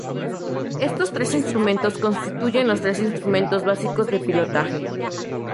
Estos tres instrumentos constituyen los tres instrumentos básicos de pilotaje.